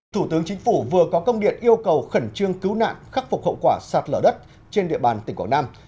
thủ tướng chính phủ vừa có công điện yêu cầu khẩn trương cứu nạn khắc phục hậu quả sạt lở đất trên địa bàn tỉnh quảng nam